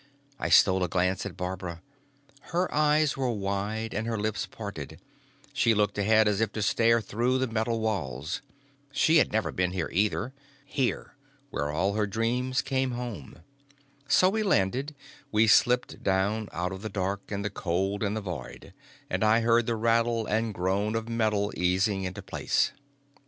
I stole a glance at Barbara. Her eyes were wide and her lips parted, she looked ahead as if to stare through the metal walls. She had never been here either, here where all her dreams came home. So we landed, we slipped down out of the dark and the cold and the void, and I heard the rattle and groan of metal easing into place.